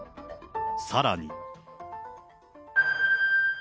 さらに。